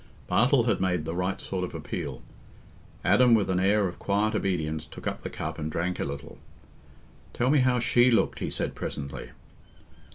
Bartle had made the right sort of appeal. Adam, with an air of quiet obedience, took up the cup and drank a little. "Tell me how she looked," he said presently.